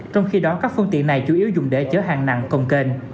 trong khi đó các phương tiện này chủ yếu dùng để chở hàng nặng công kênh